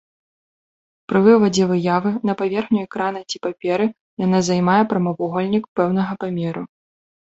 Пры вывадзе выявы на паверхню экрана ці паперы яна займае прамавугольнік пэўнага памеру.